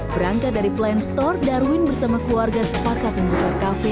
berangkat dari plan store darwin bersama keluarga sepakat membuka kafe